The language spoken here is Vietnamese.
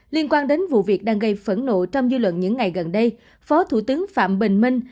liên quan đến vụ việc đang gây phẫn nộ trong dư luận những ngày gần đây phó thủ tướng phạm bình minh